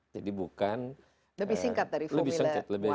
lebih singkat dari formula one